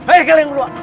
ayo kalian berdua